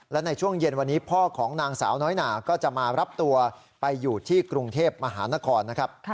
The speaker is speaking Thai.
และในช่วงเย็นวันนี้พ่อของนางสาวน้อยหนาก็จะมารับตัวไปอยู่ที่กรุงเทพมหานครนะครับ